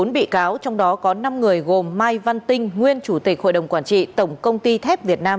bốn bị cáo trong đó có năm người gồm mai văn tinh nguyên chủ tịch hội đồng quản trị tổng công ty thép việt nam